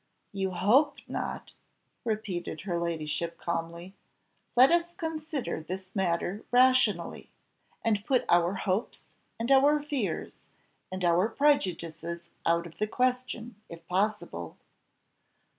"You hope not?" repeated her ladyship calmly. "Let us consider this matter rationally, and put our hopes, and our fears, and our prejudices out of the question, if possible.